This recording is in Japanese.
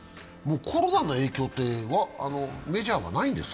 コロナの影響はメジャーはないんですか？